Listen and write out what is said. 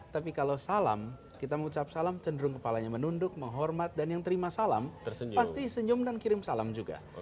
tapi kalau salam kita mengucap salam cenderung kepalanya menunduk menghormat dan yang terima salam pasti senyum dan kirim salam juga